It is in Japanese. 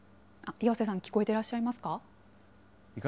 岩瀬さん、聞こえてらっしゃいますか。